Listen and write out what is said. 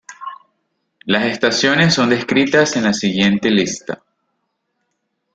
Las estaciones son descritas en la siguiente lista.